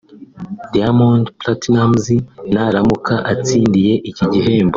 Diamond Platnumz naramuka atsindiye iki gihembo